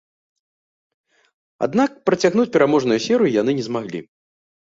Аднак працягнуць пераможную серыю яны не змаглі.